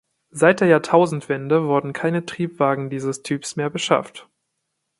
Seit der Jahrtausendwende wurden keine Triebwagen dieses Typs mehr beschafft.